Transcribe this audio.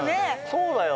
そうだよ。